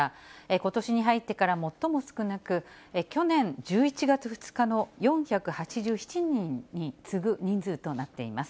ことしに入ってから最も少なく、去年１１月２日の４８７人に次ぐ人数となっています。